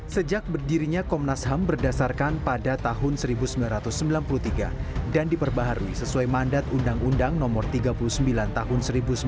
sejak berdirinya komnas ham berdasarkan pada tahun seribu sembilan ratus sembilan puluh tiga dan diperbaharui sesuai mandat undang undang no tiga puluh sembilan tahun seribu sembilan ratus sembilan puluh